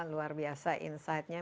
luar biasa insightnya